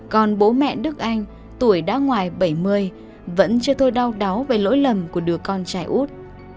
còn bố mẹ đức anh tuổi đã ngoài bảy mươi vẫn chưa thôi đau đáu về lỗi lầm của đứa con trai út